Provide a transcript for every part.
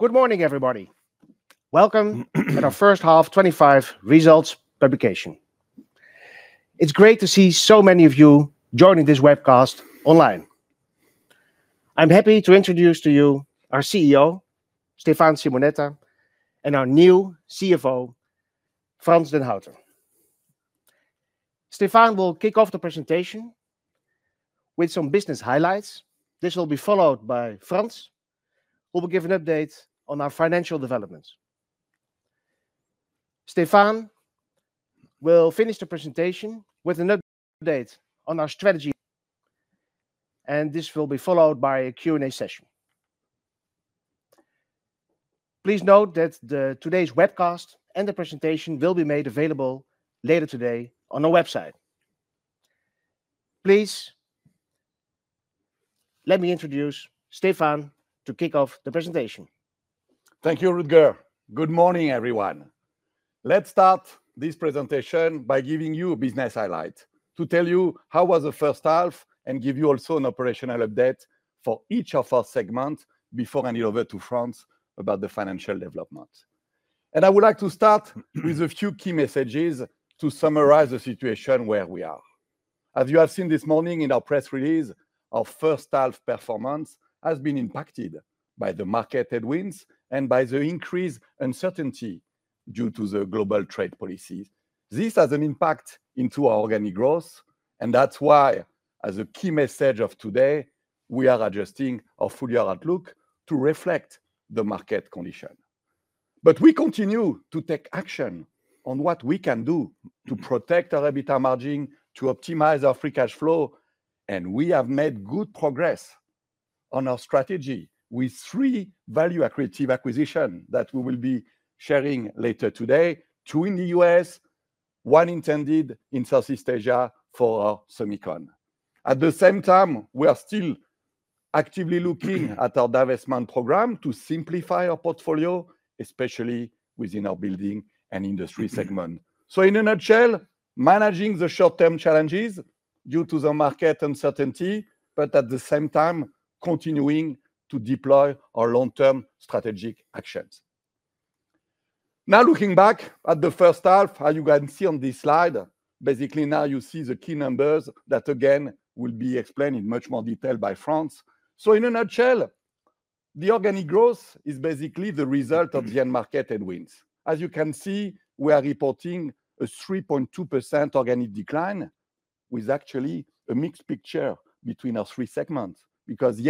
Good morning everybody. Welcome at our first half 2025 results publication. It's great to see so many of you joining this webcast online. I'm happy to introduce to you our CEO Stéphane Simonetta and our new CFO Frans den Houter. Stéphane will kick off the presentation with some business highlights. This will be followed by Frans who will give an update on our financial developments. Stéphane will finish the presentation with another update on our strategy and this will be followed by a Q&A session. Please note that today's webcast and the presentation will be made available later today on our website. Please let me introduce Stéphane to kick off the presentation. Thank you, Rutger. Good morning, everyone. Let's start this presentation by giving you a business highlight to tell you how was the first half and give you also an operational update for each of our segments before handing over to Frans about the financial development. I would like to start with a few key messages to summarize the situation where we are. As you have seen this morning in our press release, our first half performance has been impacted by the market headwinds and by the increased uncertainty due to the global trade policies. This has an impact into our organic growth and that's why, as a key message of today, we are adjusting our full year outlook to reflect the market condition. We continue to take action on what we can do to protect our EBITDA margin to optimize our free cash flow. We have made good progress on our strategy with three value-accretive acquisitions that we will be sharing later today, two in the U.S., one intended in Southeast Asia for Semicon. At the same time, we are still actively looking at our divestment program to simplify our portfolio, especially within our Building and Industry segment. In a nutshell, managing the short-term challenges due to the market uncertainty but at the same time continuing to deploy our long-term strategic actions. Now, looking back at the first half, as you can see on this slide, basically now you see the key numbers that again will be explained in much more detail by Frans. In a nutshell, the organic growth is basically the result of the unmarketed wins. As you can see, we are reporting a 3.2% organic decline with actually a mixed picture between our three segments because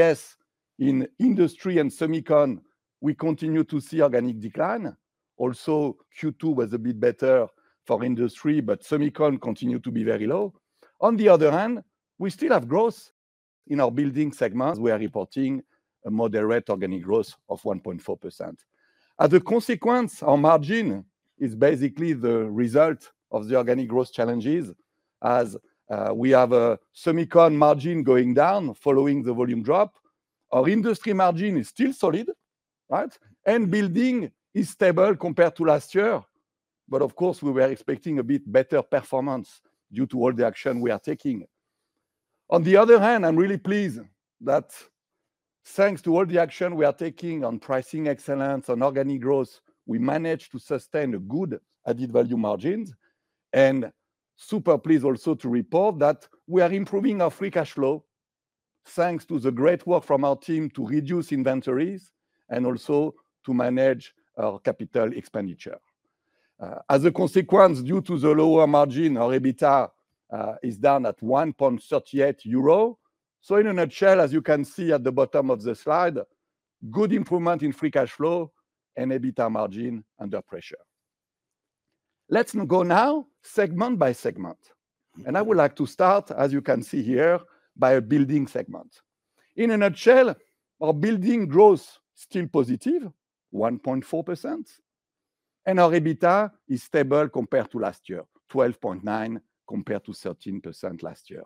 yes, in Industry and Semicon we continue to see organic decline. Also, Q2 was a bit better for Industry, but Semicon continue to be very low. On the other hand, we still have growth in our Building segment. We are reporting a moderate organic growth of 1.4%. As a consequence, our margin is basically the result of the organic growth challenges as we have a Semicon margin going down following the volume drop. Our Industry margin is still solid and Building is stable compared to last year. Of course, we were expecting a bit better performance due to all the action we are taking. On the other hand, I'm really pleased that thanks to all the action we are taking on pricing excellence on organic growth, we managed to sustain a good added value margins. Super pleased also to report that we are improving our free cash flow thanks to the great work from our team to reduce inventories and also to manage our capital expenditure. As a consequence, due to the lower margin, our EBITDA is down at 1.38 euro. In a nutshell, as you can see at the bottom of the slide, good improvement in free cash flow and EBITDA margin under pressure. Let's go now segment by segment and I would like to start, as you can see here, by a Building segment. In a nutshell, our Building growth is still positive at 1.4% and our EBITDA is stable compared to last year, 12.9% compared to 13% last year.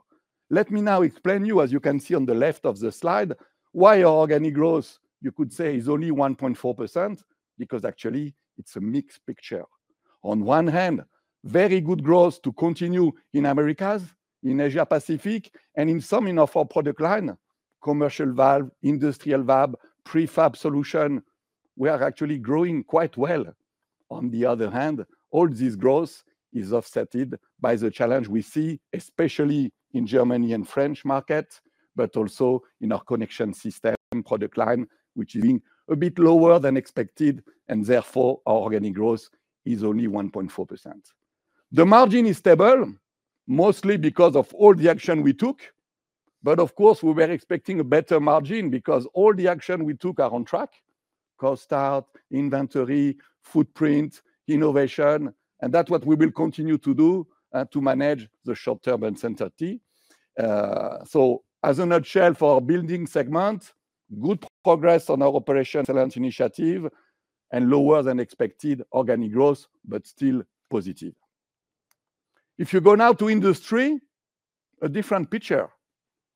Let me now explain, as you can see on the left of the slide, why our organic growth you could say is only 1.4% because actually it's a mixed picture. On one hand, very good growth continues in Americas, in Asia Pacific, and in some of our product lines, commercial valve, industrial valve, prefab solution, we are actually growing quite well. On the other hand, all this growth is offset by the challenge we see especially in Germany and French market, but also in our connection system product line which is being a bit lower than expected and therefore our organic growth is only 1.4%. The margin is stable mostly because of all the action we took. Of course, we were expecting a better margin because all the action we took are on track: cost out, inventory, footprint, innovation. That's what we will continue to do to manage the short turbulence entity. As a nutshell for our Building segment, good progress on our operation excellence initiative and lower than expected organic growth, but still positive. If you go now to Industry, a different picture,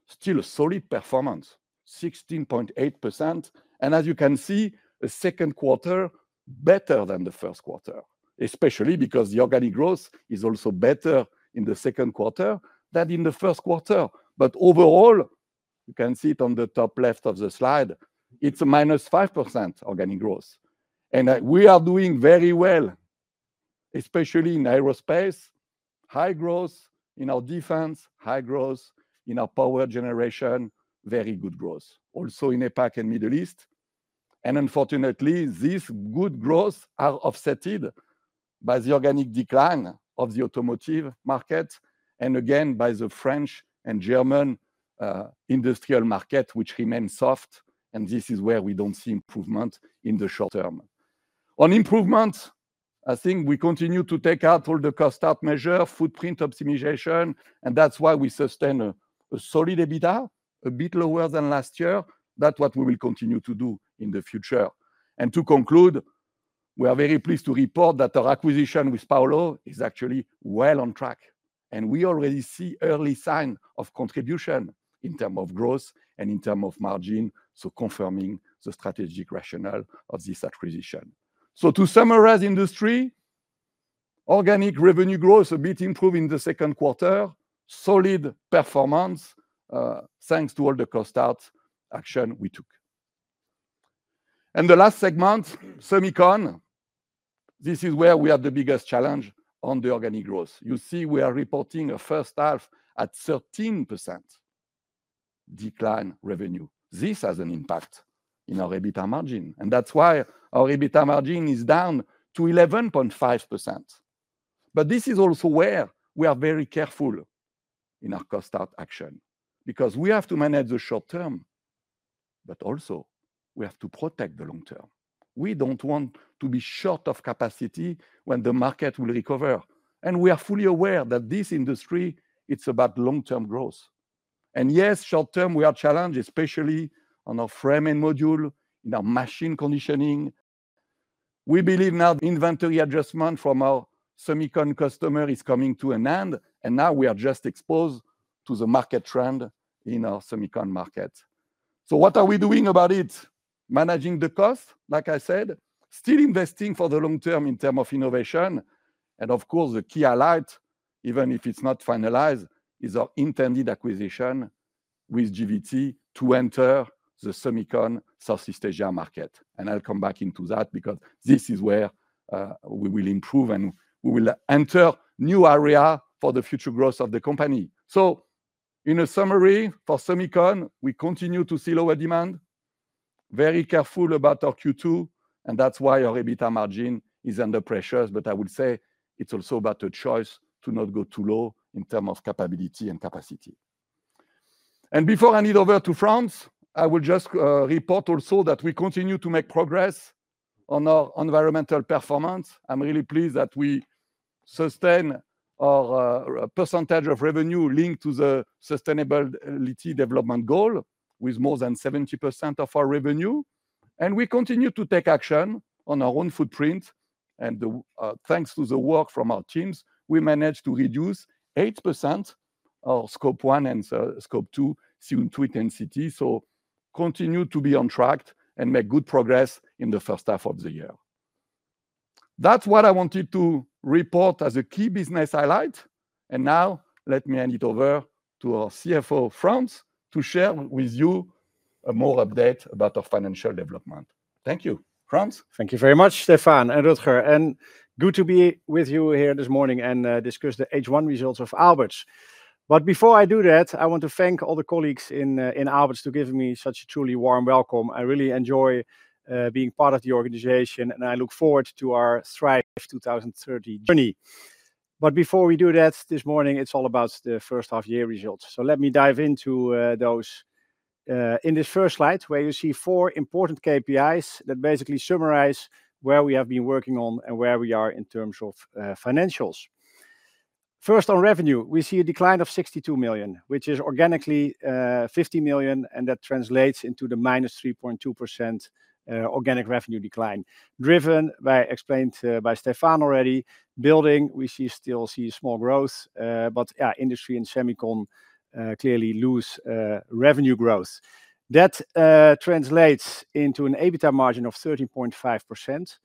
still solid performance, 16.8% and as you can see, a second quarter better than the first quarter, especially because the organic growth is also better in the second quarter than in the first quarter. Overall, you can see it on the top left of the slide, it's -5% organic growth and we are doing very well, especially in aerospace, high growth in our defense, high growth in our power generation, very good growth also in APAC and Middle East. Unfortunately, these good growth are offset by the organic decline of the automotive market and again by the French and German industrial market which remains soft. This is where we don't see improvement in the short term on improvements. I think we continue to take out all the cost out measures, footprint optimization, and that's why we sustain a solid EBITDA, a bit lower than last year. That's what we will continue to do in the future. To conclude, we are very pleased to report that our acquisition with Paolo is actually well on track. We already see early sign of contribution in terms of growth and in term of margin, confirming the strategic rationale of this acquisition. To summarize, Industry organic revenue growth a bit improved in the second quarter, solid performance thanks to all the cost out action we took. The last segment, Semicon, this is where we have the biggest challenge on the organic growth. You see we are reporting a first half at 13% decline revenue. This has an impact in our EBITDA margin, and that's why our EBITDA margin is down to 11.5%. This is also where we are very careful in our cost out action because we have to manage the short term, but also we have to protect the long term. We don't want to be short of capacity when the market will recover. We are fully aware that this Industry, it's about long term growth and yes, short term we are challenged especially on our frame and module in our machine conditioning. We believe now the inventory adjustment from our Semicon customer is coming to an end. Now we are just exposed to the market trend in our emiconductor market. What are we doing about it? Managing the cost, like I said, still investing for the long term in term of innovation. Of course, the key highlight, even if it's not finalized, is our intended acquisition with GVT to enter the Semicon Southeast Asia market. I'll come back into that because this is where we will improve and we will enter new area for the future growth of the company. In a summary for Semicon, we continue to see lower demand, very careful about our Q2, and that's why our EBITDA margin is under pressure. I would say it's also about a choice to not go too low in terms of capability and capacity. Before handing over to Frans, I will just report also that we continue to make progress on our environmental performance. I'm really pleased that we sustain our percentage of revenue linked to the sustainability development goal with more than 70% of our revenue, and we continue to take action on our own footprint, and thanks to the work from our teams we managed to reduce 8% of Scope 1 and Scope 2 CO2 intensity. We continue to be on track and make good progress in the first half of the year. That's what I wanted to report as a key business highlight. Now let me hand it over to our CFO Frans to share with you a more update about our financial development. Thank you Frans. Thank you very much Stéphane and Rutger, and good to be with you here this morning and discuss the H1 results of Aalberts. Before I do that, I want to thank all the colleagues in Aalberts to give me such a truly warm welcome. I really enjoy, enjoy being part of the organization and I look forward to our Thrive 2030 journey. This morning it's all about the first half year results. Let me dive into those in this first slide where you see four important KPIs that basically summarize where we have been working on and where we are in terms of financials. First, on revenue we see a decline of 62 million, which is organically 50 million. That translates into the -3.2% organic revenue decline driven by, explained by Stéphane already. Building, we still see small growth, but Industry and Semicon clearly lose revenue growth. That translates into an EBITDA margin of 13.5%.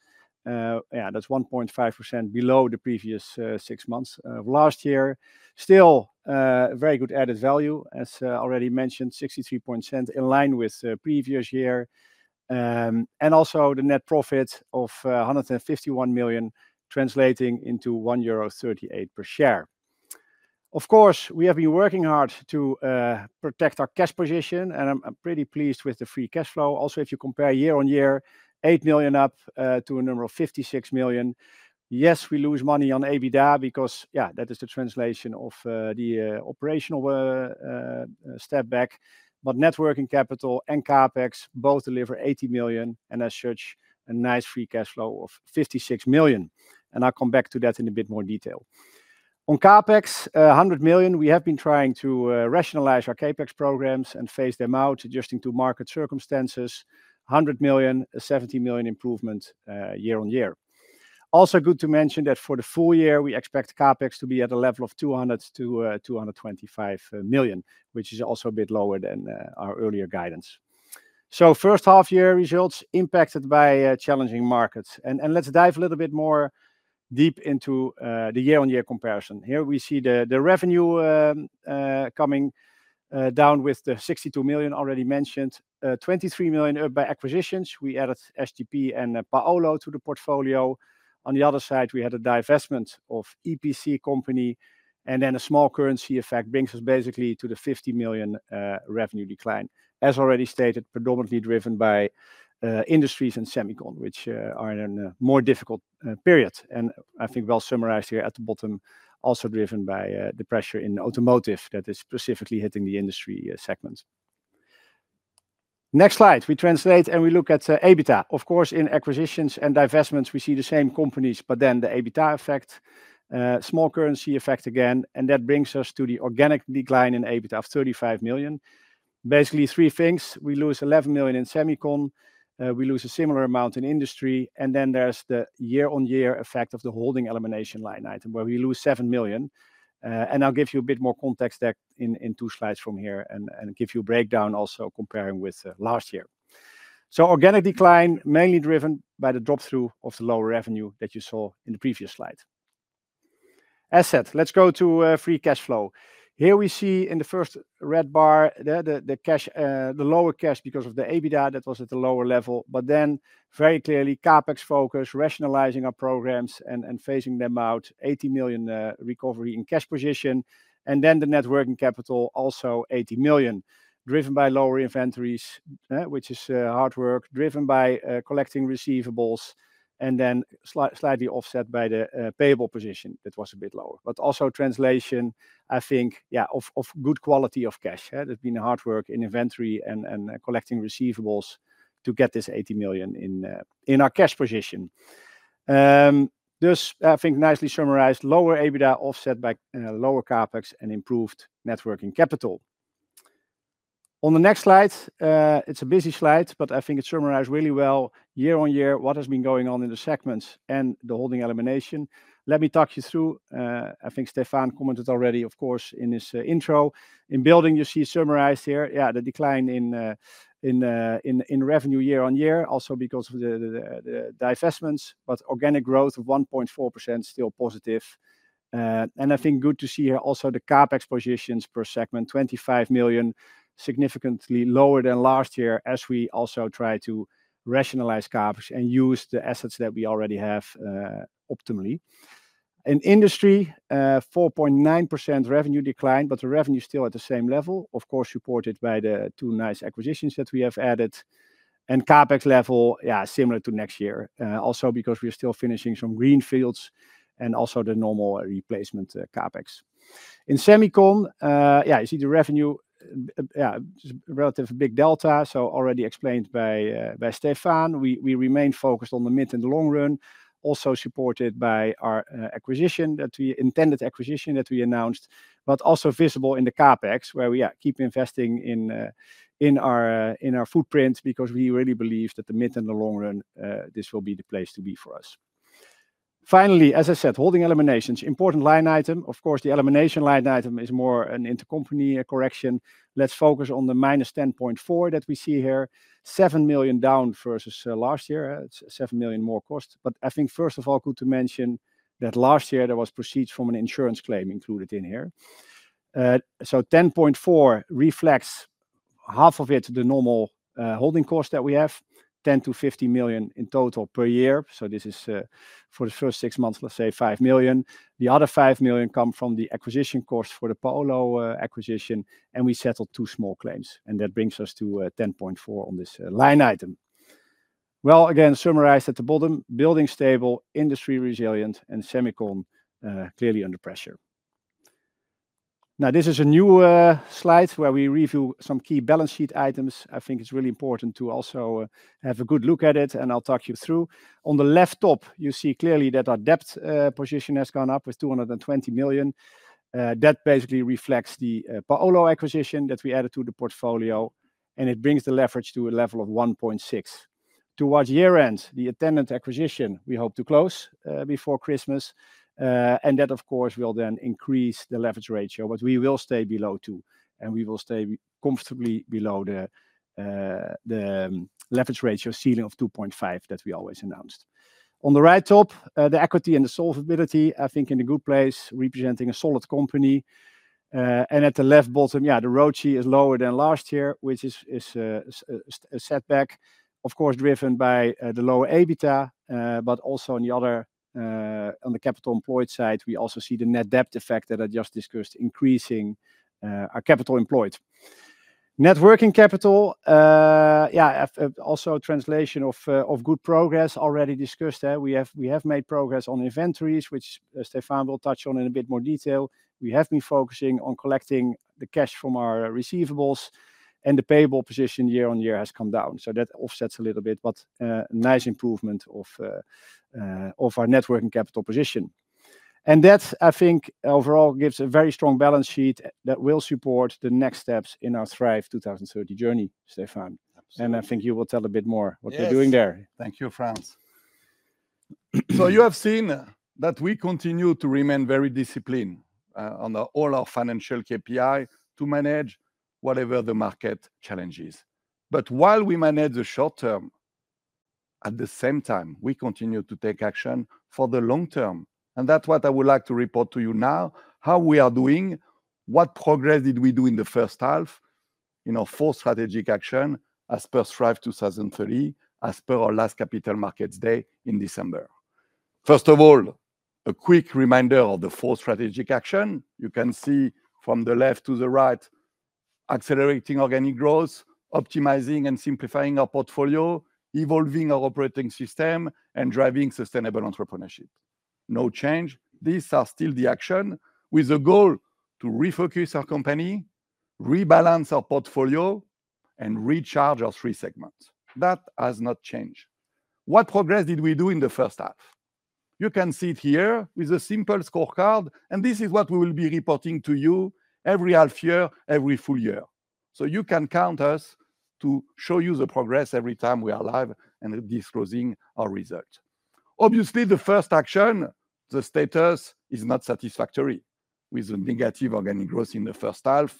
That's 1.5% below the previous six months of last year. Still very good added value as already mentioned, 63% in line with previous year and also the net profit of 151 million translating into 1.38 euro per share. Of course, we have been working hard to protect our cash position and I'm pretty pleased with the free cash flow. Also, if you compare year on year, 8 million up to a number of 56 million. Yes, we lose money on EBITDA because that is the translation of the operational step back. Networking capital and CapEx both deliver 80 million and as such a nice free cash flow of 56 million. I'll come back to that in a bit more detail on CapEx 100 million. We have been trying to rationalize our CapEx programs and phase them out adjusting to market circumstances, 100 million, 70 million improvement year-on-year. Also good to mention that for the full year we expect CapEx to be at a level of 200-225 million, which is also a bit lower than our earlier guidance. First half year results impacted by challenging markets and let's dive a little bit more deep into the year-on-year comparison. Here we see the revenue coming down with the 62 million already mentioned, 23 million by acquisitions. We added SDP and Paolo to the portfolio. On the other side, we had a divestment of EPC company and then a small currency effect brings us basically to the 50 million revenue decline as already stated, predominantly driven by Industry and Semicon which are in a more difficult period and I think summarized here at the bottom. Also driven by the pressure in automotive that is specifically hitting the Industry segments. Next slide we translate and we look at EBITDA. Of course in acquisitions and divestments we see the same companies but then the EBITDA, small currency effect again, and that brings us to the organic decline in EBITDA of 35 million. Basically three things. We lose 11 million in Semicon, we lose a similar amount in Industry, and then there's the year-on-year effect of the holding elimination line item where we lose 7 million. I'll give you a bit more context in two slides from here and give you breakdown, also comparing with last year. Organic decline mainly driven by the drop through of the lower revenue that you saw in the previous slide asset. Let's go to free cash flow. Here we see in the first red bar the lower cash because of the EBITDA that was at the lower level, but then very clearly CapEx focus, rationalizing our programs and phasing them out. 80 million recovery in cash position, and then the net working capital also 80 million, driven by lower inventories, which is hard work driven by collecting receivables and then slightly offset by the payable position that was a bit lower, but also translation, I think, of good quality of cash. There's been hard work in inventory and collecting receivables to get this 80 million in our cash position. This, I think, nicely summarized lower EBITDA offset by lower CapEx and improved net working capital. On the next slide, it's a busy slide, but I think it summarized really well year-on-year what has been going on in the segments and the holding elimination. Let me talk you through. I think Stéphane commented already, of course, in his intro. In Building, you see summarized here the decline in revenue year-on-year, also because of the divestments, but organic growth of 1.4% still positive, and I think good to see also the CapEx positions per segment, 25 million, significantly lower than last year as we also try to rationalize CapEx and use the assets that we already have optimally. In Industry, 4.9% revenue decline, but the revenue is still at the same level, of course supported by the two nice acquisitions that we have added, and CapEx level similar to next year, also because we're still finishing some greenfields and also the normal replacement CapEx. In Semicon, you see the revenue relative big delta, so already explained by Stéphane, we remain focused on the mid and long run. Also supported by our acquisition that we intended acquisition that we announced, but also visible in the CapEx where we keep investing in our footprint because we really believe that the mid and the long run this will be the place to be for us. Finally, as I said, holding eliminations important line item. Of course, the elimination line item is more an intercompany correction. Let's focus on the -10.4% that we see here. 7 million down versus last year. It's 7 million more cost. I think first of all good to mention that last year there was proceeds from an insurance claim included in here. So 10.4% reflects half of it, the normal holding cost that we have 10 million-15 million in total per year. This is for the first six months, let's say 5 million. The other 5 million come from the acquisition cost for the Paolo acquisition and we settled two small claims. That brings us to 10.4% on this line item. Again summarized at the bottom, Building stable, Industry resilient and Semicon clearly under pressure. This is a new slide where we review some key balance sheet items. I think it's really important to also have a good look at it and I'll talk you through. On the left top you see clearly that our debt position has gone up with 220 million. That basically reflects the Paolo acquisition that we added to the portfolio and it brings the leverage to a level of 1.6 towards year end. The intended acquisition we hope to close before Christmas and that of course will then increase the leverage ratio, but we will stay below two and we will stay comfortably below the leverage ratio ceiling of 2.5 that we always announced. On the right top, the equity and the solvability I think in a good place, representing a solid company. At the left bottom, the ROCE is lower than last year, which is a setback of course driven by the low EBITDA. On the capital employed side, we also see the net debt effect that I just discussed increasing our capital employed, net working capital. Also translation of good progress already discussed there, we have made progress on inventories which Stéphane will touch on in a bit more detail. We have been focusing on collecting the cash from our receivables and the payable position year on year has come down. That offsets a little bit but nice improvement of our net working capital position. That, I think, overall gives a very strong balance sheet that will support the next steps in our Thrive 2030 journey. Stéphane and I think you will tell a bit more what we're doing there. Thank you Frans. You have seen that we continue to remain very disciplined on all our financial KPI to manage whatever the market challenges. While we manage the short term, at the same time we continue to take action for the long term. That's what I would like to report to you now. How we are doing, what progress did we do in the first half in our four strategic action as per Thrive 2030 as per our last capital markets day in December. First of all, a quick reminder of the four strategic action. You can see from the left to the right, accelerating organic growth, optimizing and simplifying our portfolio, evolving our operating system and driving sustainable entrepreneurship. No change. These are still the action with a goal to refocus our company, rebalance our portfolio and recharge our three segments. That has not changed. What progress did we do in the first half? You can see it here with a simple scorecard and this is what we will be reporting to you every half year, every full year. You can count us to show you the progress every time we are live and disclosing our results. Obviously the first action the status is not satisfactory. With the negative organic growth in the first half,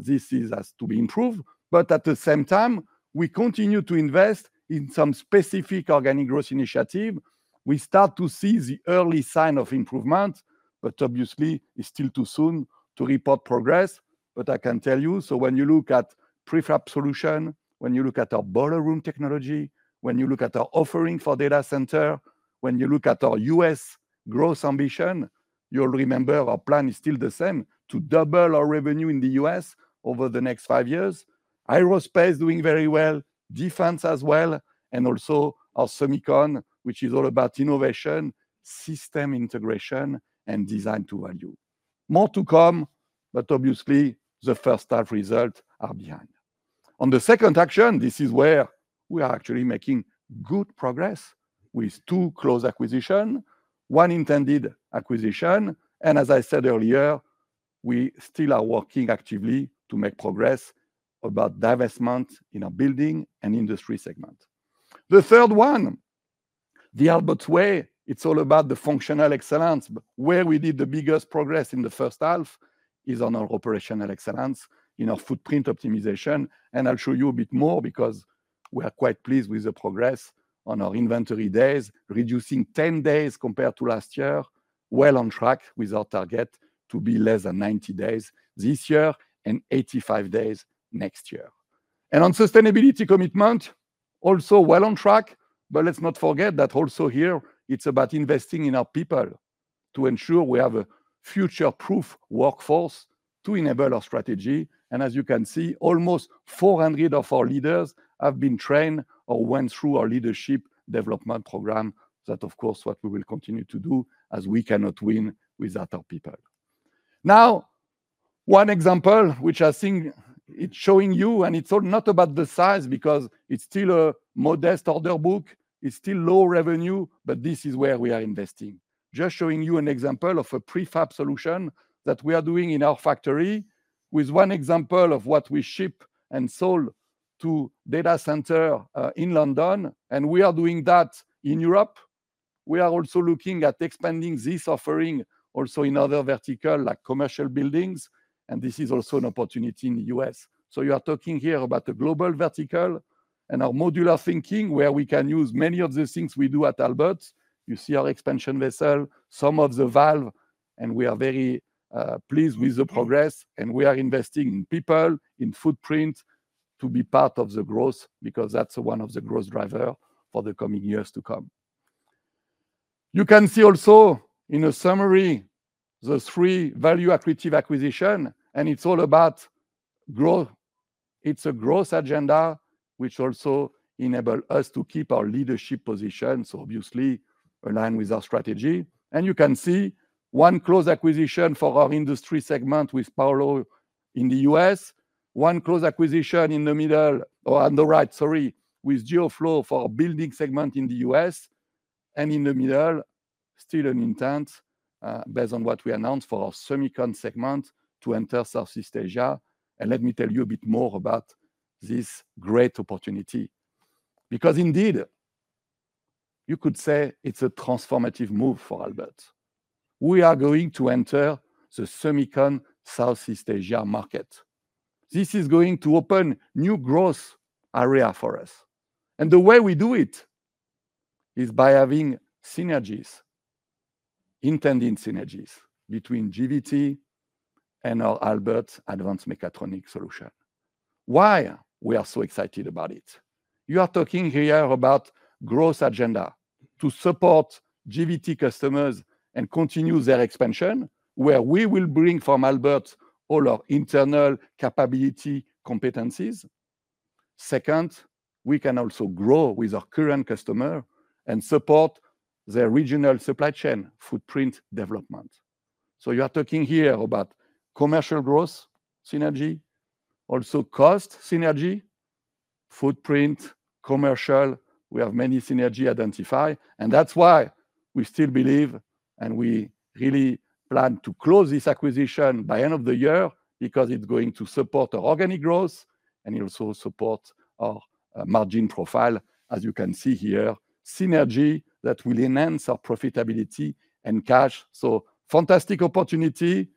this has to be improved. At the same time we continue to invest in some specific organic growth initiative. We start to see the early sign of improvement but obviously it's still too soon to report progress. I can tell you when you look at prefap solution, when you look at our boiler room technology, when you look at our offering for data center, when you look at our U.S. growth ambition, you'll remember our plan is still the same to double our revenue in the U.S. over the next five years. Aerospace doing very well, defense as well and also our Semicon which is all about innovation, system integration and design to value more to come. Obviously the first half results are behind on the second action. This is where we are actually making good progress with two close acquisitions, one intended acquisition and as I said earlier, we still are working actively to make progress about divestment in our Building and Industry segment. The third one, the Aalberts Way, it's all about the functional excellence where we did the biggest progress in the first half is on our operational excellence in our footprint optimization. I'll show you a bit more because we are quite pleased with the progress on our inventory days reducing 10 days compared to last year, well on track with our target to be less than 90 days this year and 85 days next year. On sustainability commitment, also well on track. Let's not forget that also here it's about investing in our people to ensure we have a future-proof workforce to enable our strategy. As you can see, almost 400 of our leaders have been trained or went through our leadership development program. That, of course, we will continue to do as we cannot win without our people. One example which I think is showing you, and it's not about the size because it's still a modest order book, it's still low revenue, but this is where we are investing. Just showing you an example of a prefab solution that we are doing in our factory with one example of what we ship and sold to a data center in London, and we are doing that in Europe. We are also looking at expanding this offering in other verticals like commercial buildings. This is also an opportunity in the U.S. You are talking here about the global vertical and our modular thinking where we can use many of the things we do at Aalberts. You see our expansion vessel, some of the valves, and we are very pleased with the progress. We are investing in people and footprint to be part of the growth because that's one of the growth drivers for the coming years. You can see also in a summary the three value-accretive acquisitions, and it's all about growth. It's a growth agenda which also enables us to keep our leadership position, so obviously aligned with our strategy. You can see one closed acquisition for our Industry segment with Paolo in the U.S., one closed acquisition on the right with Geoflow for the Building segment in the U.S., and in the middle, still an intent based on what we announced for our Semicon segment to enter Southeast Asia. Let me tell you a bit more about this great opportunity because indeed you could say it's a transformative move for Aalberts. We are going to enter the semicon Southeast Asia market. This is going to open new growth areas for us, and the way we do it is by having intended synergies between GVT and our Aalberts advanced mechatronics solution. Why we are so excited about it. You are talking here about growth agenda to support GVT customers and continue their expansion, where we will bring from Aalberts all our internal capability competencies. Second, we can also grow with our current customer and support their regional supply chain footprint development, so you are talking here about commercial growth. Synergy, also cost synergy, footprint, commercial. We have many synergies identified and that's why we still believe and we really plan to close this acquisition by end of the year because it's going to support our organic growth and also support our margin profile as you can see here, synergy that will enhance our profitability and cash. Fantastic opportunity.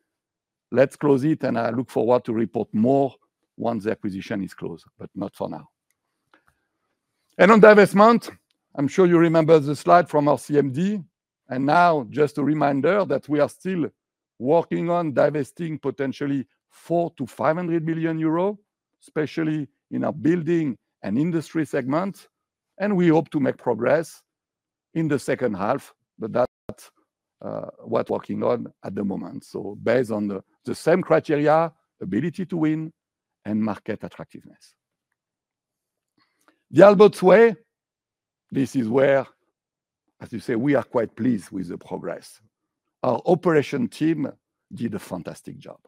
Let's close it. I look forward to report more once the acquisition is closed, but not for now. On divestment, I'm sure you remember the slide from our CMD. Just a reminder that we are still working on divesting potentially 400 million-500 million euro, especially in our Building and Industry segment. We hope to make progress in the second half. That's what we're working on at the moment. Based on the same criteria, ability to win and market attractiveness, the Aalberts way. This is where, as you say, we are quite pleased with the progress. Our operations team did a fantastic job.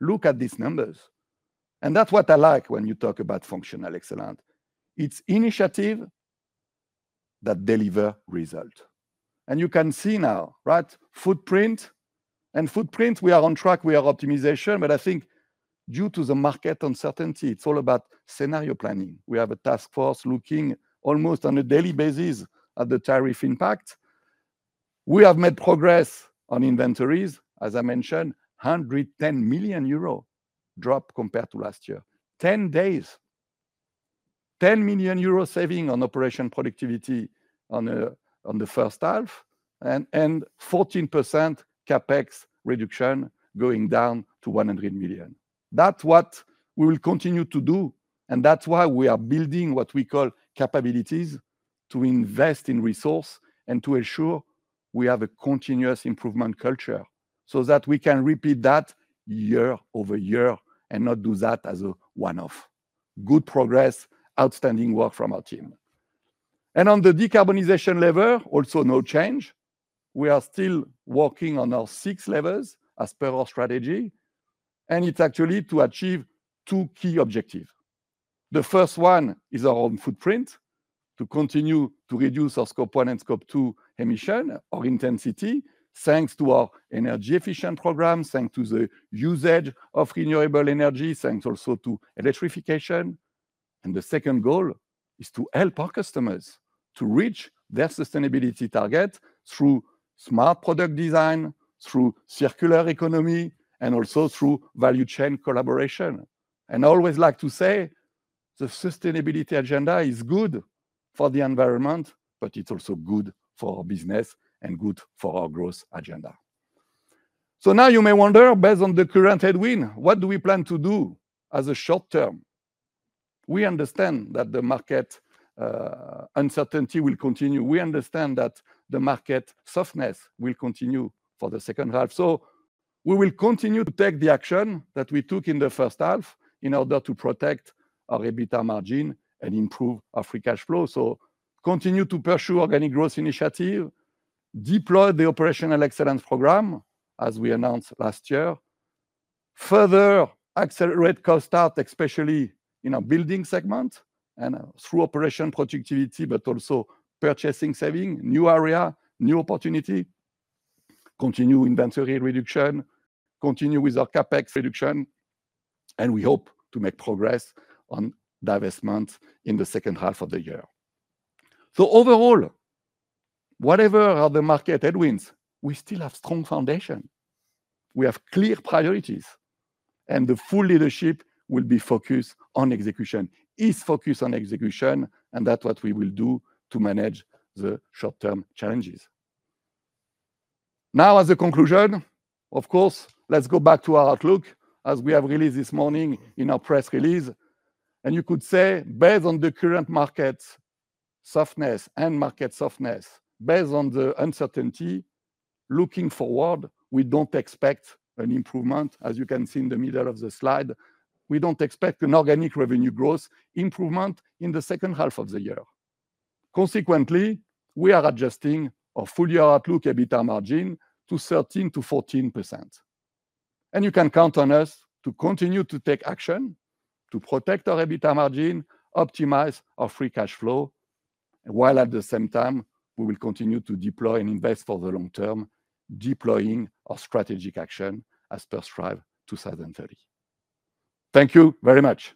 Look at these numbers. That's what I like. When you talk about functional excellence, it's initiative that delivers result. You can see now, right footprint and footprint, we are on track, we have optimization. I think due to the market uncertainty, it's all about scenario planning. We have a task force looking almost on a daily basis at the tariff impact. We have made progress on inventories, as I mentioned, 110 million euro drop compared to last year. Ten days, 10 million euro saving on operation productivity in the first half and 14% CapEx reduction going down to 100 million. That's what we will continue to do. That's why we are building what we call capabilities to invest in resource and to ensure we have a continuous improvement culture so that we can repeat that year-over-year and not do that as a one off. Good progress, outstanding work from our team. On the decarbonization level, also no change. We are still working on our six levers as per our strategy. It's actually to achieve two key objectives. The first one is our own footprint, to continue to reduce our Scope 1 and Scope 2 emission or intensity thanks to our energy efficient program, thanks to the usage of renewable energy, thanks also to electrification. The second goal is to help our customers to reach their sustainability target through smart product design, through circular economy and also through value chain collaboration. I always like to say the sustainability agenda is good for the environment, but it's also good for business and good for our growth agenda. You may wonder, based on the current headwind, what do we plan to do as a short term? We understand that the market uncertainty will continue, we understand that the market softness will continue for the second half. We will continue to take the action that we took in the first half in order to protect our EBITDA margin and improve our free cash flow. We will continue to pursue organic growth initiative, deploy the operational excellence program as we announced last year, further accelerate cost out, especially in our Building segment and through operation productivity, but also purchasing, saving new area, new opportunity, continue inventory reduction, continue with our CapEx reduction, and we hope to make progress on divestment in the second half of the year. Overall, whatever are the market headwinds, we still have strong foundation, we have clear priorities, and the full leadership will be focused on execution. That is what we will do to manage the short term challenges. Now, as a conclusion, of course, let's go back to our outlook as we have released this morning in our press release. You could say, based on the current market softness and market softness, based on the uncertainty, looking forward, we don't expect an improvement, as you can see in the middle of the slide. We don't expect an organic revenue growth improvement in the second half of the year. Consequently, we are adjusting our full year outlook EBITDA margin to 13-14%. You can count on us to continue to take action to protect our EBITDA margin, optimize our free cash flow, while at the same time we will continue to deploy and invest for the long term, deploying our strategic action as per Thrive 2030. Thank you very much.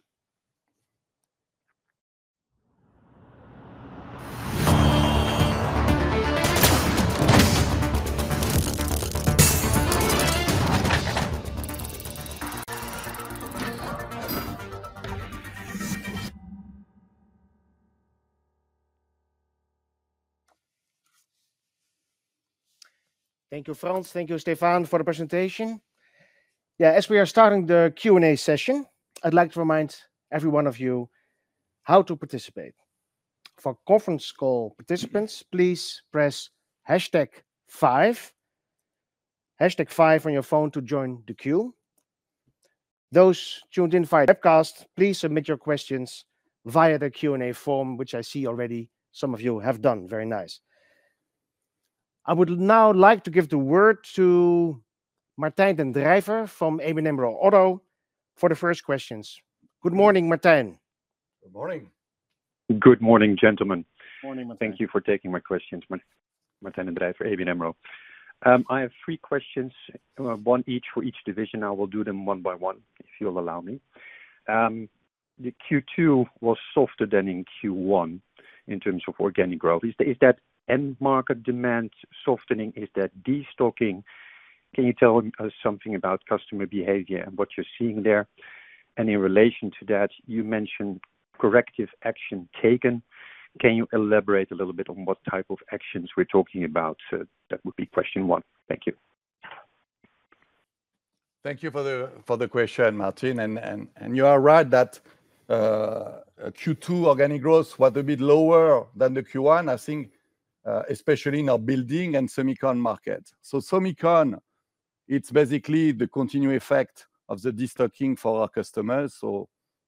Thank you, Frans. Thank you, Stéphane, for the presentation. As we are starting the Q&A session, I'd like to remind every one of you how to participate. For conference call participants, please press Hash tag five, Hash tag on your phone to join the queue. Those tuned in via webcast, please submit your questions via the Q&A form, which I see already some of you have done. Very nice. I would now like to give the word to Martijn den Drijver from ABN AMRO for the first questions. Good morning, Martijn. Good morning. Good morning, gentlemen. Thank you for taking my questions. Martijn den Drijver for ABN AMRO. I have three questions, one for each division. I will do them one by one, if you'll allow me. Q2 was softer than Q1 in terms of organic growth. Is that end market demand softening, is that destocking? Can you tell us something about customer behavior and what you're seeing there? In relation to that, you mentioned corrective action taken. Can you elaborate a little bit on what type of actions we're talking about? That would be question one. Thank you. Thank you for the question, Martijn. You are right that Q2 organic growth was a bit lower than Q1, especially in our Building and Semicon market. In Semicon, it's basically the continued effect of the destocking for our customers.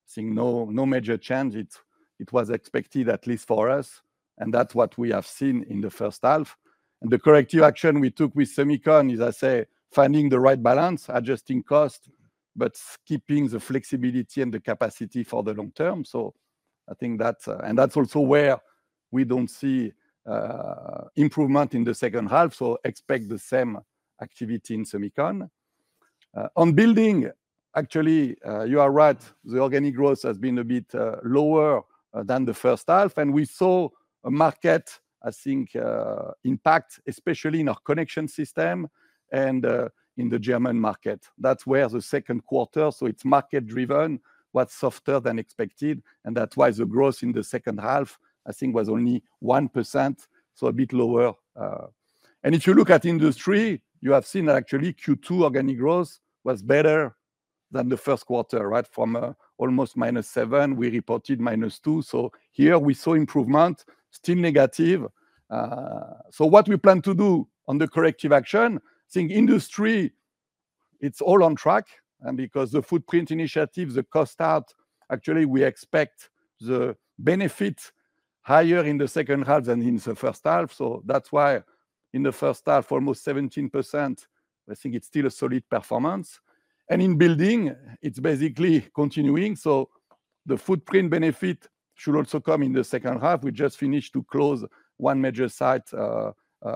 Seeing no major change, it was expected at least for us, and that's what we have seen in the first half. The corrective action we took with Semicon is finding the right balance, adjusting cost, but keeping the flexibility and the capacity for the long term. That's also where we don't see improvement in the second half. Expect the same activity in Semicon. On Building, you are right, the organic growth has been a bit lower than the first half and we saw a market impact, especially in our connection system and in the German market. That's where the second quarter, it's market driven, was softer than expected. That's why the growth in the second half was only 1%, so a bit lower. If you look at Industry, you have seen that actually Q2 organic growth was better than the first quarter. Right. From almost -7%, we reported -2%. Here we saw improvement, still negative. What we plan to do on the corrective action in Industry, it's all on track. Because the footprint initiatives, the cost out, actually we expect the benefit higher in the second half than in the first half. That's why in the first half, almost 17%, it's still a solid performance and in Building it's basically continuing. The footprint benefit should also come in the second half. We just finished to close one major site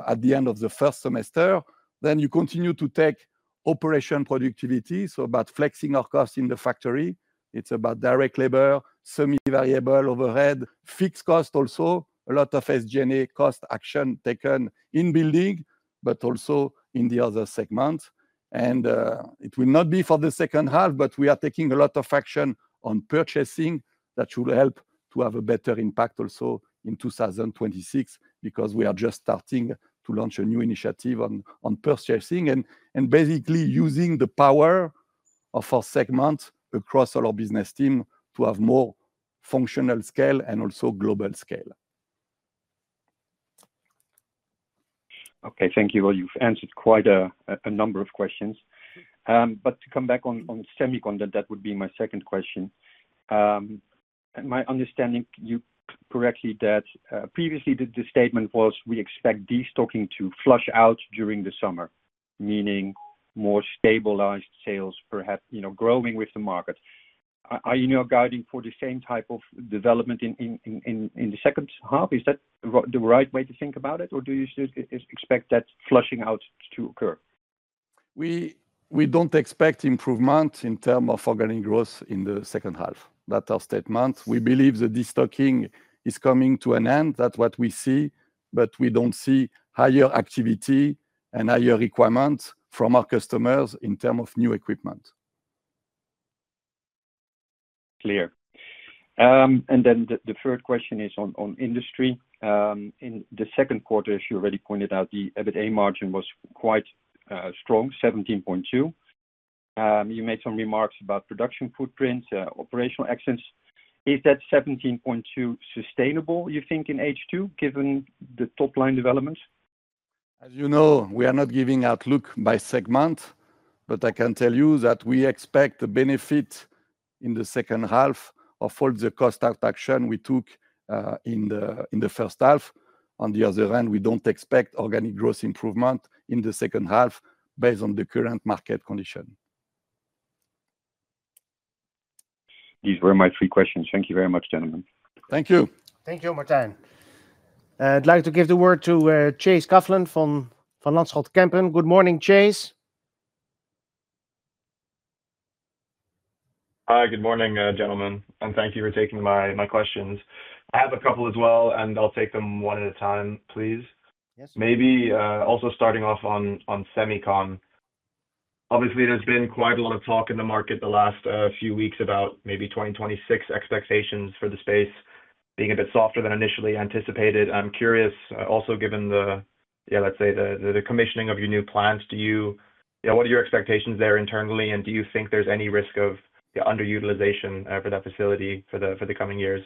at the end of the first semester. You continue to take operation productivity. About flexing our costs in the factory, it's about direct labor, semi variable overhead, fixed cost, also a lot of SG&A cost action taken in Building but also in the other segment. It will not be for the second half but we are taking a lot of action on purchasing that should help to have a better impact also in 2026 because we are just starting to launch a new initiative on purchasing and basically using the power of our segment across our business team to have more functional scale and also global scale. Thank you. You've answered quite a number of questions. To come back on Semicon, that would be my second question. Am I understanding you correctly that previously the statement was we expect destocking to flush out during the summer, meaning more stabilized sales, perhaps growing with the market? Are you now guiding for the same type of development in the second half? Is that the right way to think about it, or do you expect that flushing out to occur? We don't expect improvement in terms of organic growth in the second half. That is our statement. We believe the destocking is coming to an end, that's what we see. We don't see higher activity and higher requirements from our customers in terms of new equipment. Clear.The third question is on Industry in the second quarter. As you already pointed out, the EBITDA margin was quite strong, 17.2%. You made some remarks about production footprint, operational excellence. Is that 17.2% sustainable, you think, in H2 given the top line development? As you know, we are not giving outlook by segment, but I can tell you that we expect a benefit in the second half of all the cost action we took in the first half. On the other hand, we don't expect organic growth improvement in the second half based on the current market condition. These were my three questions. Thank you very much, gentlemen. Thank you. Thank you, Martijn. I'd like to give the word to Chase Coughlan from Van Kempen. Good morning, Chase. Hi, good morning gentlemen, and thank you for taking my questions. I have a couple as well, and I'll take them one at a time, please. Yes, maybe also starting off on on semicon, obviously there's been quite a lot of talk in the market the last few weeks about maybe 2026 expectations for the space being a bit softer than initially anticipated. I'm curious also given the commissioning of your new plants, what are your expectations there internally and do you think there's any risk of underutilization for that facility for the coming years?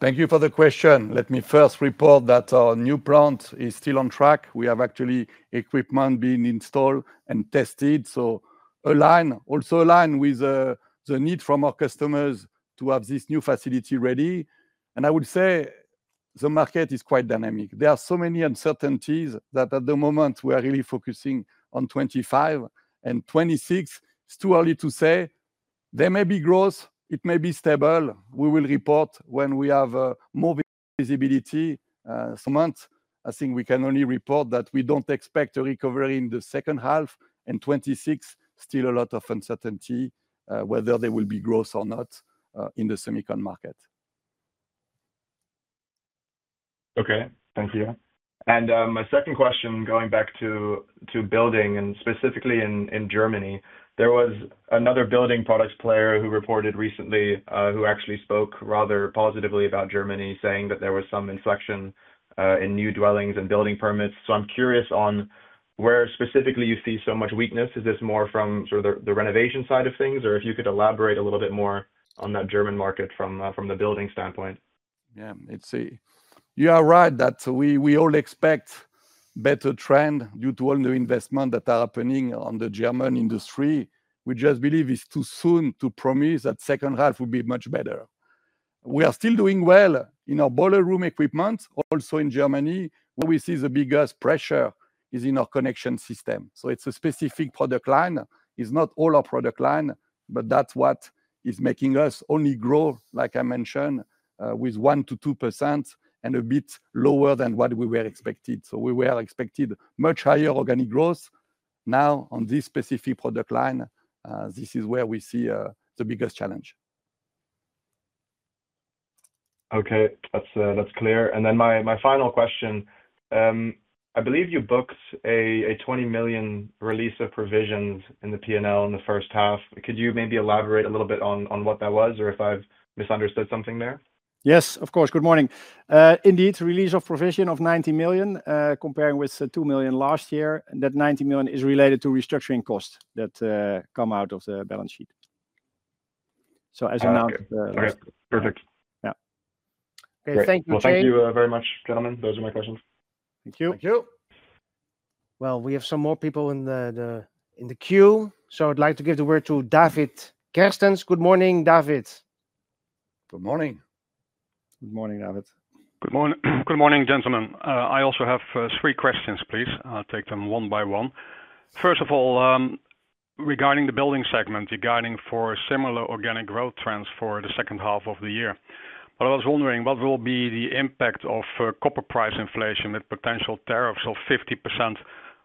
Thank you for the question. Let me first report that our new plant is still on track. We have actually equipment being installed and tested, also aligned with the need from our customers to have this new facility ready. I would say the market is quite dynamic. There are so many uncertainties that at the moment we are really focusing on 2025 and 2026. It's too early to say, there may be growth, it may be stable. We will report when we have more visibility. I think we can only report that we don't expect a recovery in the second half. In 2026, still a lot of uncertainty whether there will be growth or not in the semicon market. Okay, thank you. My second question, going back to Building and specifically in Germany, there was another Building products player who reported recently who actually spoke rather positively about Germany, saying that there was some inflection in new dwellings and building permits. I'm curious on where specifically you see so much weakness. Is this more from the renovation side of things, or if you could elaborate a little bit more on that German market from the building standpoint. Yeah, you are right that we all expect a better trend due to all new investment that are happening in the German Industry. We just believe it's too soon to promise that the second half will be much better. We are still doing well in our boiler room equipment. Also, in Germany, where we see the biggest pressure is in our connection system. It's a specific product line, not all our product lines. That's what is making us only grow, like I mentioned, with 1%-2%, and a bit lower than what we were expecting. We were expecting much higher organic growth. Now, on this specific product line, this is where we see the biggest challenge. Okay, that's clear. My final question, I believe you booked a 20 million release of provisions in the P&L in the first half. Could you maybe elaborate a little bit on what that was or if I've misunderstood something there? Yes, of course. Good morning. Indeed, release of provision of 90 million, comparing with 2 million last year. That 90 million is related to restructuring costs that come out of the balance sheet, as announced. Perfect. Thank you very much, gentlemen. Those are my questions. Thank you. Thank you. We have some more people in the queue, so I'd like to give the word to David Kerstens. Good morning, David. Good morning. Good morning, David. Good morning. Good morning, gentlemen. I also have three questions, please. I'll take them one by one. First of all, regarding the Building segment, you're guiding for similar organic growth trends for the second half of the year. I was wondering what will be the impact of copper price inflation with potential tariffs of 50%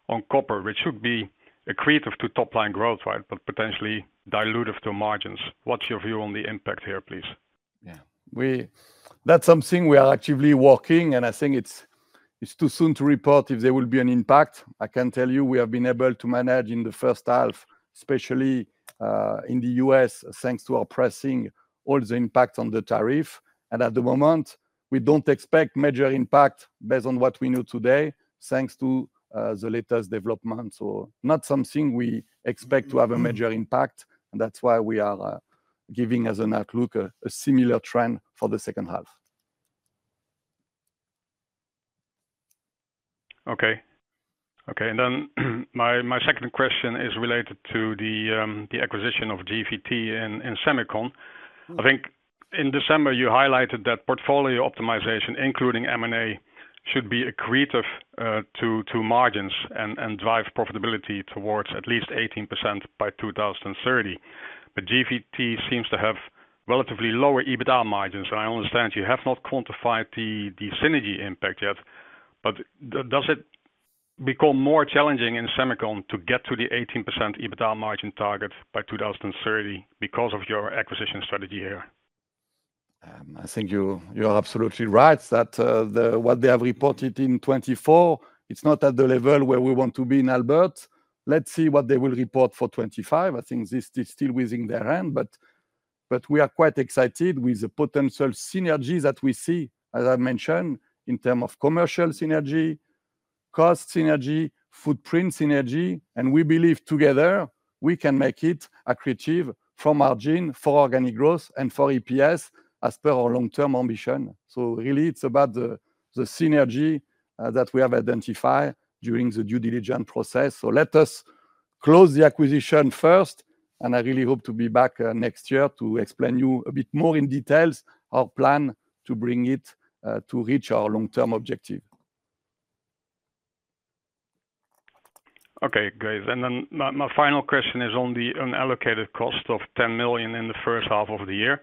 on copper, which should be accretive to top line growth but potentially dilutive to margins. What's your view on the impact here, please? Yeah, that's something we are actively working on, and I think it's too soon to report. If there will be an impact, I can tell you we have been able to manage in the first half, especially in the U.S. thanks to our pressing all the impact on the tariff, and at the moment we don't expect major impact based on what we know today thanks to the latest development. Not something we expect to have a major impact, which is why we are giving as an outlook a similar trend for the second half. Okay. My second question is related to the acquisition of GVT in semicon. I think in December you highlighted that portfolio optimization including M&A should be accretive to margins and drive profitability towards at least 18% by 2030. GVT seems to have relatively lower EBITDA margins. I understand you have not quantified the synergy impact yet, but does it become more challenging in semicon to get to the 18% EBITDA margin target by 2030 because of your acquisition strategy here? I think you're absolutely right that what they have reported in 2024, it's not at the level where we want to be in Aalberts. Let's see what they will report for 2025. I think this is still within their hand, but we are quite excited with the potential synergies that we see. As I mentioned, in terms of commercial synergy, cost synergy, footprint synergy, and we believe together we can make it accretive for margin, for organic growth, and for EPS as per our long-term ambition. It is really about the synergy that we have identified during the due diligence process. Let us close the acquisition first, and I really hope to be back next year to explain to you a bit more in detail our plan to bring it to reach our long-term objective. Okay, great. My final question is on the unallocated cost of 10 million in the first half of the year.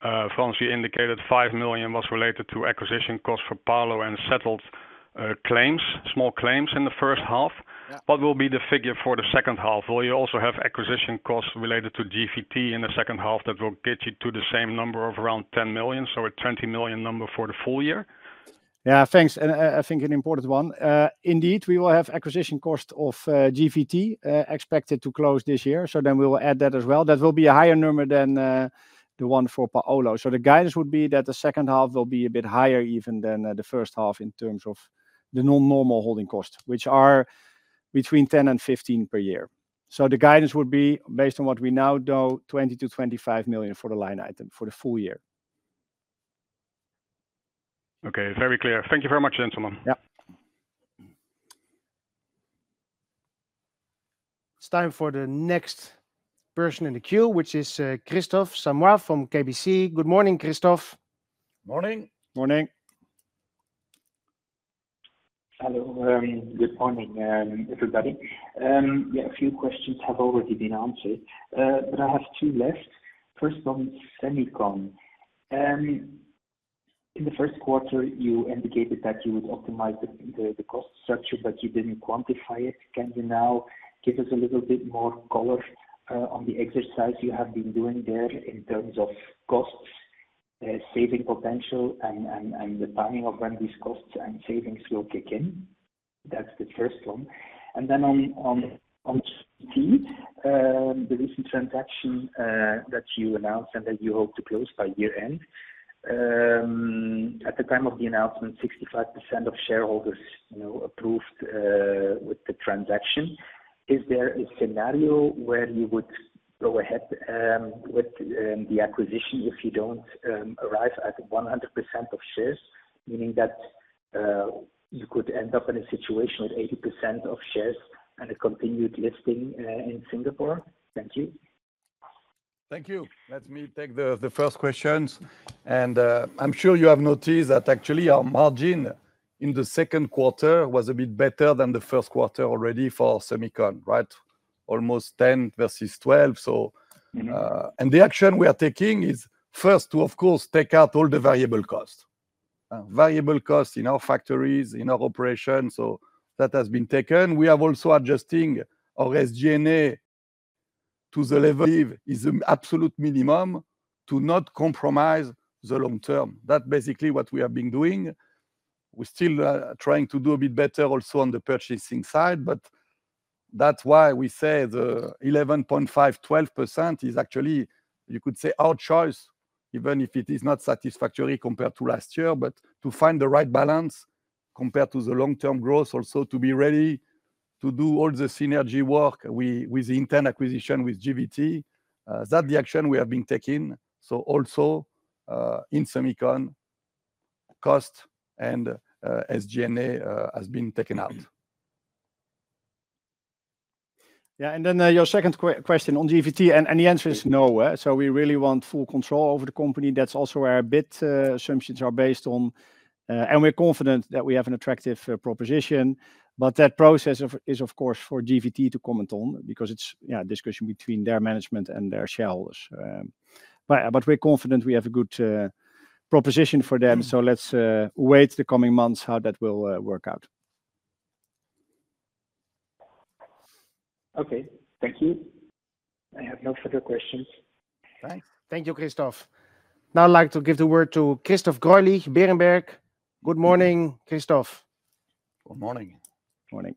Frans indicated 5 million was related to acquisition costs for Paolo and settled claims, small claims in the first half. What will be the figure for the second half? Will you also have acquisition costs related to GVT in the second half that will get you to the same number of around 10 million, so a 20 million number for the full year? Yeah, thanks. I think an important one indeed. We will have acquisition cost of GVT expected to close this year. We will add that as well. That will be a higher number than the one for Paolo. The guidance would be that the second half will be a bit higher even than the first half in terms of the non normal holding cost, which are between 10 million and 15 million per year. The guidance would be based on what we now know, 20 million-25 million for the line item for the full year Okay, very clear. Thank you very much, gentlemen. Yeah. It's time for the next person in the queue, which is Kristof Samoy from KBC. Good morning, Kristof. Morning. Morning. Hello. Good morning everybody. A few questions have already been answered. I have two left. First one, semicon. In the first quarter you indicated that you would optimize the cost structure, but you didn't quantify it. Can you now give us a little bit more color on the exercise you have been doing there in terms of costs, saving potential, and the timing of when these costs and savings will kick in? That's the first one. On GVT, the recent transaction that you announced and that you hope to close by year end, at the time of the announcement, 65% of shareholders approved the transaction. Is there a scenario where you would go ahead with the acquisition if you don't arrive at 100% of shares, meaning that you could end up in a situation with 80% of shares and a continued listing in Singapore? Thank you. Thank you. Let me take the first questions and I'm sure you have noticed that actually our margin in the second quarter was a bit better than the first quarter already for semicon, right? Almost 10% versus 12%. The action we are taking is first to of course take out all the variable costs, variable costs in our factories, in our operation. That has been taken. We have also adjusted our SG&A to the level that is the absolute minimum to not compromise the long term. That's basically what we have been doing. We're still trying to do a bit better also on the purchasing side. That's why we say the 11.5-12% is actually, you could say, our choice even if it is not satisfactory compared to last year. To find the right balance compared to the long term growth, also to be ready to do all the synergy work with the intended acquisition with GVT, that is the action we have been taking. Also in semicon, cost and SG&A has been taken out. Yeah. Your second question on GVT, the answer is no. We really want full control over the company. That's also what our bid assumptions are based on, and we're confident that we have an attractive proposition. That process is, of course, for GVT to comment on because it's a discussion between their management and their shareholders. We're confident we have a good proposition for them. Let's wait the coming months to see how that will work out. Okay, thank you. I have no further questions. Thank you, Kristof. Now I'd like to give the word to Christoph Greulich, Berenberg. Good morning, Christoph. Good morning. Morning.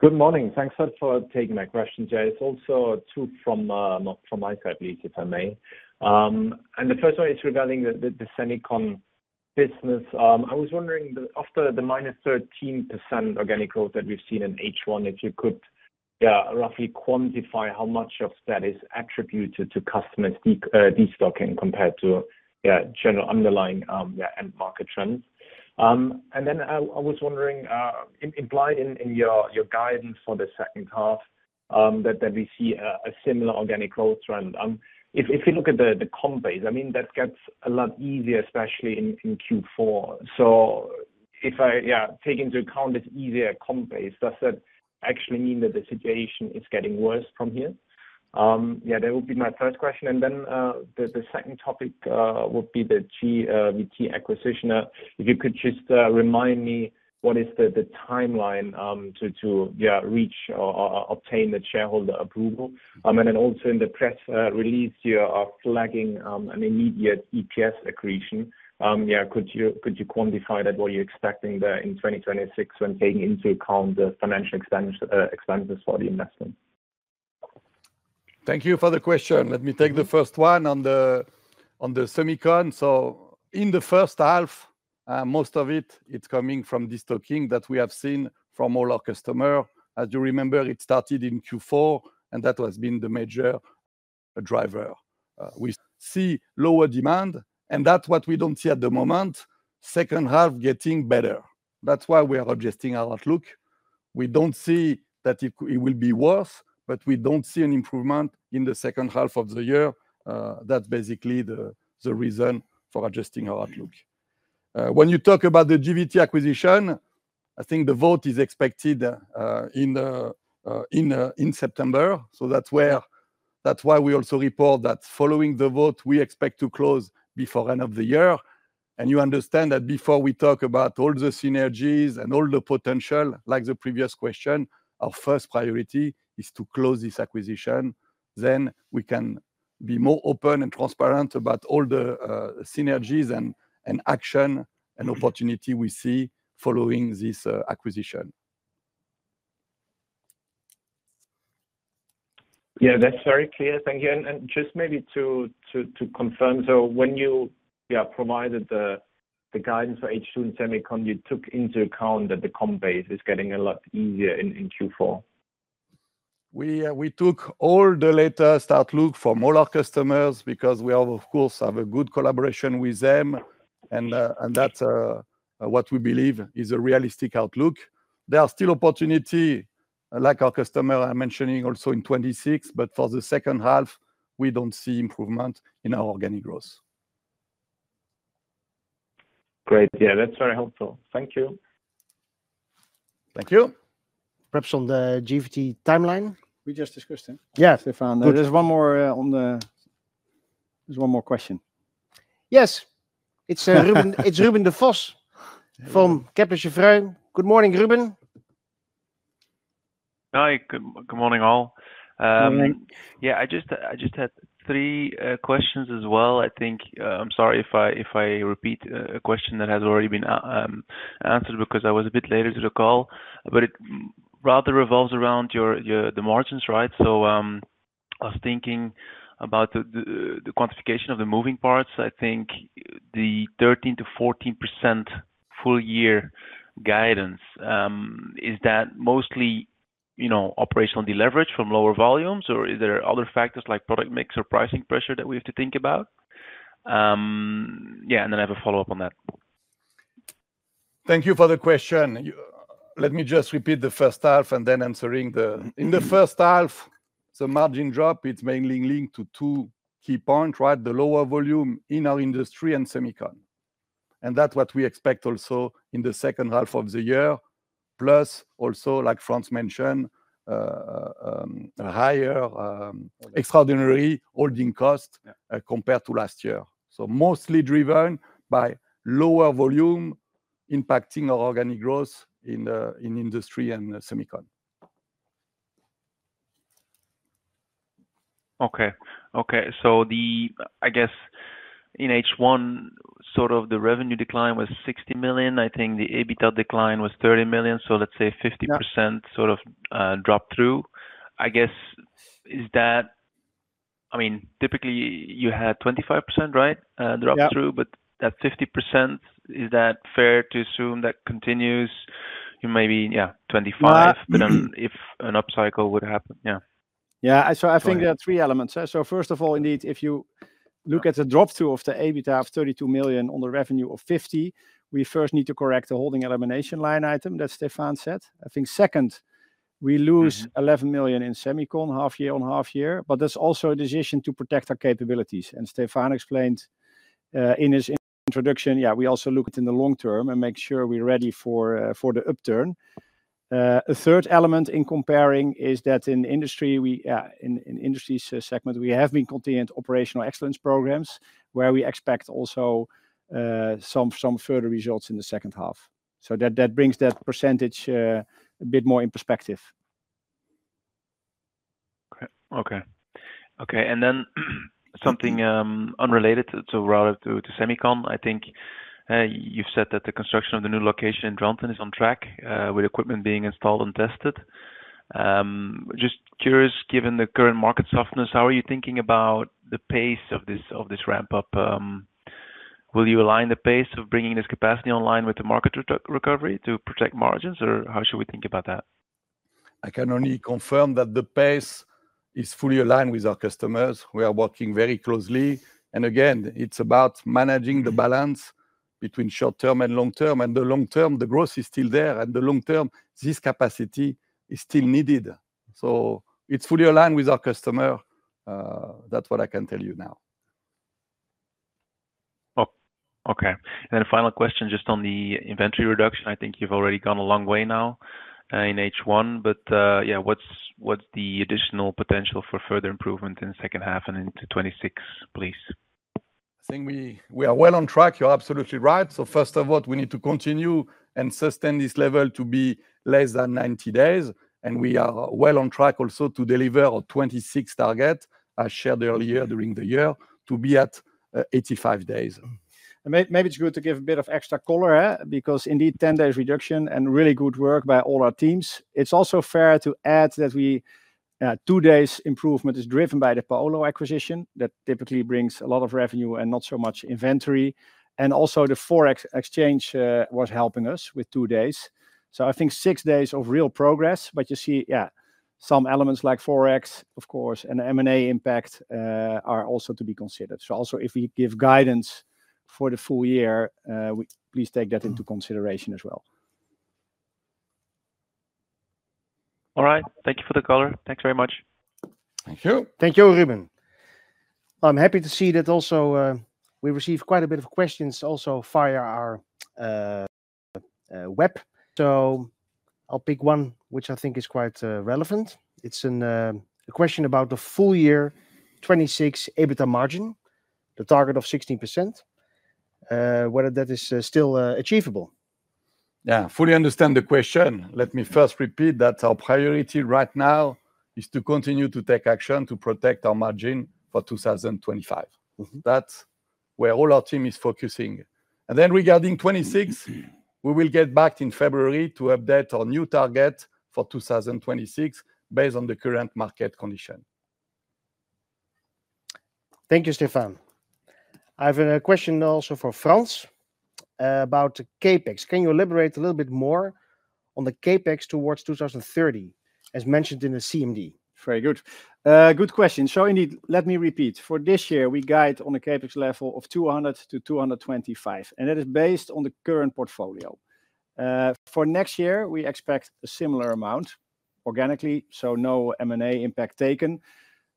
Good morning. Thanks for taking my question, Jay. It's also two from my side please, if I may. The first one is regarding the semicon business. I was wondering after the -13% organic growth that we've seen in H1, if you could roughly quantify how much of that is attributed to customers destocking compared to general underlying end market trends. I was wondering, implied in your guidance for the second half, that we see a similar organic growth trend. If you look at the comp base, I mean that gets a lot easier, especially in Q4. If I take into account it's easier comp, does that actually mean that the situation is getting worse from here? That would be my first question. The second topic would be the GVT acquisition. If you could just remind me what is the timeline to reach or obtain the shareholder approval? Also, in the press release, you are flagging an immediate EPS accretion. Could you quantify that, what you're expecting there in 2026 when taking into account the financial expenses for the investment? Thank you for the question. Let me take the first one on the semiconductor. In the first half, most of it is coming from destocking that we have seen from all our customers. As you remember, it started in Q4 and that has been the major driver. We see lower demand and that's what we don't see at the moment. The second half is not getting better. That's why we are adjusting our outlook. We don't see that it will be worse, but we don't see an improvement in the second half of the year. That's basically the reason for adjusting our outlook. When you talk about the GVT acquisition, I think the vote is expected in September. That's why we also report that following the vote we expect to close before the end of the year. You understand that before we talk about all the synergies and all the potential, like the previous question, our first priority is to close this acquisition. Then we can be more open and transparent about all the synergies and action and opportunity we see following this acquisition. Yeah, that's very clear, thank you. Just maybe to confirm, when you provided the guidance for H2 and semicon, you took into account that the comp base is getting a lot easier in Q4. We took all the latest outlook from all our customers because we of course have a good collaboration with them, and that's what we believe is a realistic outlook. There are still opportunity like our customer, I'm mentioning also in 2026, but for the second half we don't see improvement in our organic growth. Great.Yeah, that's very helpful, thank you. Thank you. Perhaps on the GVT timeline, we just discussed him. Yeah, there's one more question. Yes, it's Ruben Devos from Kepler Cheuvreux. Good morning, Ruben. Hi, good morning all. I just had three questions as well, I think. I'm sorry if I repeat a question that has already been answered because I was a bit later to the call, but it rather revolves around the margins. Right. I was thinking about the quantification of the moving parts. I think the 13%-14% full year guidance, is that mostly operational deleverage from lower volumes, or are there other factors like product mix or pricing pressure that we have to think about? I have a follow up on that. Thank you for the question. Let me just repeat the first half and then answering the. In the first half the margin drop, it's mainly linked to two key points. Right. The lower volume in our Industry and Semicon and that's what we expect also in the second half of the year. Plus also like Frans den Houter mentioned, higher extraordinary holding cost compared to last year. Mostly driven by lower volume impacting our organic growth in Industry and Semicon. Okay. In H1, the revenue decline was 60 million. I think the EBITDA decline was 30 million. Let's say 50% drop through, is that, I mean typically you had 25% right, drop through, but that 50%, is that fair to assume that continues, you maybe, yeah, 25%, but if an upcycle would happen. Yeah, yeah. I think there are three elements. First of all, indeed, if you look at the drop through of the EBITDA of 32 million on the revenue of 50 million, we first need to correct the holding elimination line item that Stéphane said. I think second, we lose 11 million in semicon half year on half year, but there's also a decision to protect our capabilities, and Stéphane explained in his introduction. Yeah, we also look at it in the long term and make sure we're ready for the upturn. A third element in comparing is that in the Industry segment, we have been continuing operational excellence programs where we expect also some further results in the second half. That brings that percentage a bit more in perspective. Okay. And then something unrelated to semicon, I think you've said that the construction of the new location in Drenton is on track with equipment being installed and tested. Just curious, given the current market softness, how are you thinking about the pace of this ramp up? Will you align the pace of bringing this capacity online with the market recovery to protect margins, or how should we think about that? I can only confirm that the pace is fully aligned with our customers. We are working very closely, and it's about managing the balance between short term and long term. The long term growth is still there, and in the long term this capacity is still needed. It's fully aligned with our customer. That's what I can tell you now. Okay, and then final question just on the inventory reduction. I think you've already gone a long way now in H1, but what's the additional potential for further improvement in the second half and into 2026, please? I think we are well on track. You're absolutely right. First of all, we need to continue and sustain this level to be less than 90 days. We are well on track also to deliver 2026 target as shared earlier during the year to be at 85 days. Maybe it's good to give a bit of extra color because indeed 10 days reduction and really good work by all our teams. It's also fair to add that two days improvement is driven by the Paolo acquisition that typically brings a lot of revenue and not so much inventory. Also, the Forex exchange was helping us with two days. I think six days of real progress. You see, yeah, some elements like Forex, of course, and M&A impact are also to be considered. If we give guidance for the full year, please take that into consideration as well. All right, thank you for the caller, thank you very much. Thank you. Thank you, Ruben. I'm happy to see that. Also, we received quite a bit of questions via our web. I'll pick one which I think is quite relevant. It's a question about the full year 2026 EBITDA margin, the target of 16%, whether that is still achievable. Yeah, fully understand the question. Let me first repeat that our priority right now is to continue to take action to protect our margin for 2025. That's where all our team is focusing. Regarding 2026, we will get back in February to update our new target for 2026 based on the current market condition. Thank you, Stéphane. I have a question also for Frans about CapEx. Can you elaborate a little bit more on the CapEx towards 2030 as mentioned in the CMD? Very good, good question. Indeed, let me repeat for this year we guide on a CapEx level of 200 million-225 million and that is based on the current portfolio. For next year we expect a similar amount organically, so no M&A impact taken.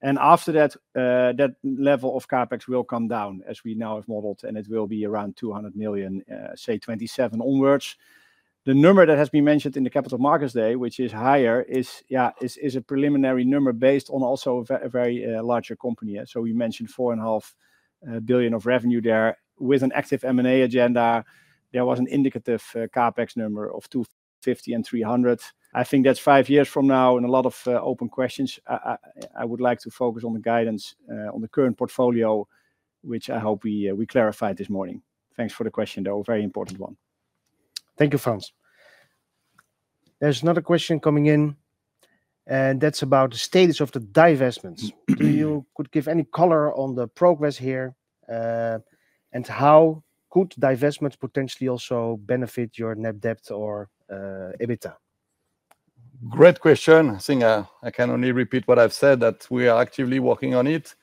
After that, that level of CapEx will come down as we now have modeled and it will be around 200 million, say 2027 onwards. The number that has been mentioned in the capital markets day, which is higher, is a preliminary number based on also larger company. We mentioned 4.5 billion of revenue there with an active M&A agenda. There was an indicative CapEx number of 250 million and 300 million. I think that's five years from now and a lot of open questions. I would like to focus on the guidance on the current portfolio, which I hope we clarified this morning. Thanks for the question though, very important one. Thank you. Frans. There's another question coming in, and that's about the status of the divestments. Could you give any color on the progress here, and how could divestments potentially also benefit your net debt or EBITDA? Great question. I think I can only repeat what I've said, that we are actively working on it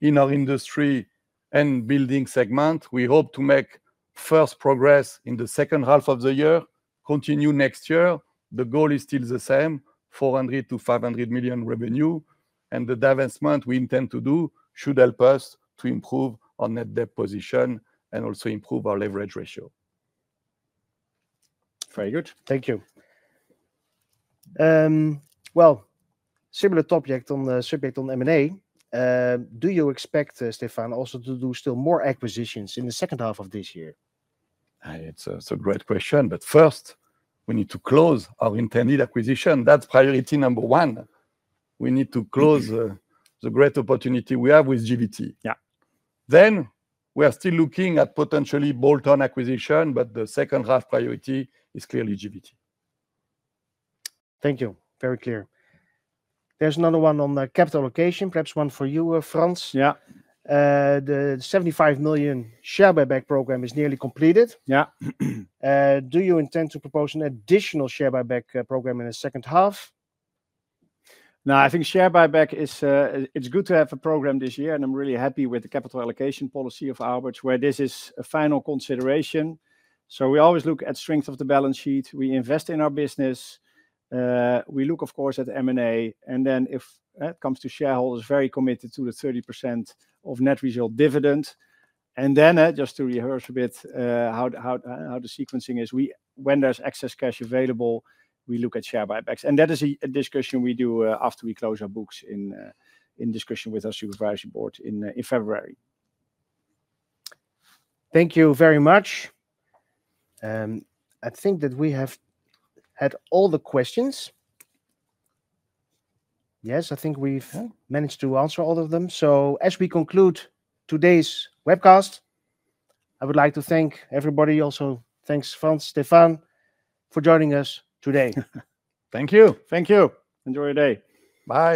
in our Industry and Building segment. We hope to make first progress in the second half of the year and continue next year. The goal is still the same, 400 million-500 million revenue, and the divestment we intend to do should help us to improve our net debt position and also improve our leverage ratio. Very good, thank you. On the subject of M&A, do you expect Stéphane also to do still more acquisitions in the second half of this year? A great question, but first we need to close our intended acquisition. That's priority number one. We need to close the great opportunity we have with GVT. We are still looking at potentially bolt-on acquisition, but the second half priority is clearly GVT. Thank you. Very clear. There's another one on the capital allocation. Perhaps one for you, Frans. The 75 million share buyback program is nearly completed. Yeah. Do you intend to propose an additional share buyback program in the second half? No, I think share buyback is good to have a program this year and I'm really happy with the capital allocation policy of Aalberts where this is a final consideration. We always look at strength of the balance sheet. We invest in our business, we look of course at M&A, and if it comes to shareholders, very committed to the 30% of net result dividend. Just to rehearse a bit how the sequencing is, when there's excess cash available, we look at share buybacks. That is a discussion we do after we close our books, in discussion with our Supervisory Board in February. Thank you very much. I think that we have had all the questions. Yes, I think we've managed to answer all of them. As we conclude today's webcast, I would like to thank everybody. Also, thanks, Frans and Stéphane, for joining us today. Thank you. Thank you. Enjoy your day. Bye.